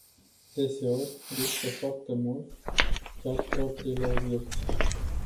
Deseori, riscă foarte mult, chiar propriile vieți.